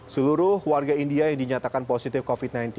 seluruh warga india yang dinyatakan positif covid sembilan belas